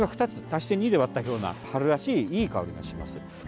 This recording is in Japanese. ２つ足して２で割ったような春らしい、いい香りがします。